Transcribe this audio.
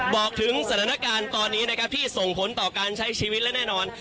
บอกถึงสถานการณ์ตอนนี้นะครับที่ส่งผลต่อการใช้ชีวิตและแน่นอน